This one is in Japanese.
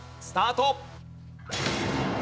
スタート！